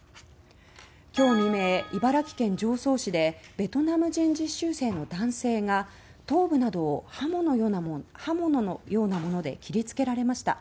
今日未明、茨城県常総市でベトナム人実習生の男性が頭部などを刃物のようなもので切りつけられました。